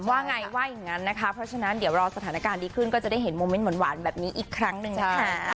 ว่าไงว่าอย่างนั้นนะคะเพราะฉะนั้นเดี๋ยวรอสถานการณ์ดีขึ้นก็จะได้เห็นโมเมนต์หวานแบบนี้อีกครั้งหนึ่งนะคะ